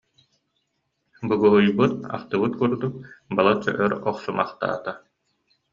Бугуһуйбут, ахтыбыт курдук, балачча өр охсумахтаата